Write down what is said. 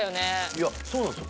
いやそうなんですよ。